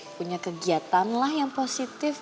punya kegiatan lah yang positif